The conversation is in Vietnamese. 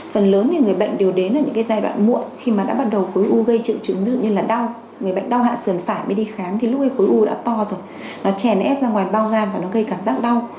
phần lớn người bệnh đều đến ở những giai đoạn muộn khi mà đã bắt đầu khối u gây triệu chứng như là đau người bệnh đau hạ sườn phả mới đi khám thì lúc ấy khối u đã to rồi nó chèn ép ra ngoài bao gan và nó gây cảm giác đau